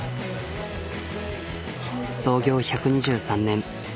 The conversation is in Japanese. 創業１２３年。